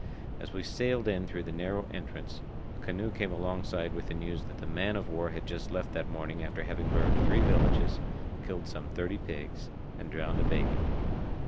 As we sailed in through the narrow entrance, a canoe came alongside with the news that the man of war had just left that morning after having burned three villages, killed some thirty pigs, and drowned a baby.